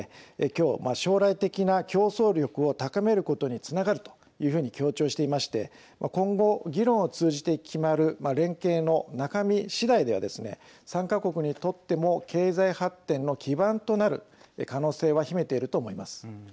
きょう、将来的な競争力を高めることにつながるというふうに強調していまして今後、議論を通じて決まる連携の中身しだいではですね参加国にとっても経済発展の基盤となる可能性は秘めていると思います。